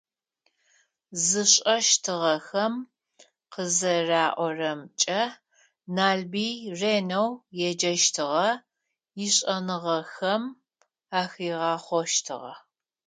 Зышӏэщтыгъэхэм къызэраӏорэмкӏэ Налбый ренэу еджэщтыгъэ, ишӏэныгъэхэм ахигъахъощтыгъэ.